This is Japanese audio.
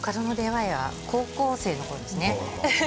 高校生のころですね。